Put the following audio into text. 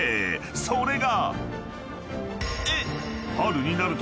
［それが］